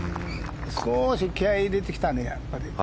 少し気合を入れてきたねやっぱり。